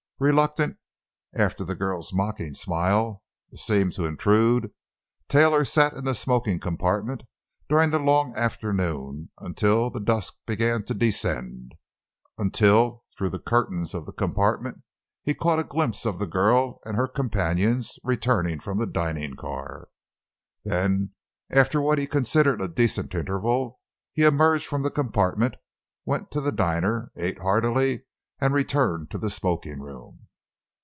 Reluctant, after the girl's mocking smile, to seem to intrude, Taylor sat in the smoking compartment during the long afternoon, until the dusk began to descend—until through the curtains of the compartment he caught a glimpse of the girl and her companions returning from the dining car. Then, after what he considered a decent interval, he emerged from the compartment, went to the diner, ate heartily, and returned to the smoking room.